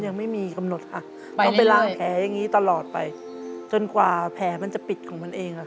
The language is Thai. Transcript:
ยังไม่มีกำหนดค่ะต้องไปล่างแผลอย่างนี้ตลอดไปจนกว่าแผลมันจะปิดของมันเองค่ะ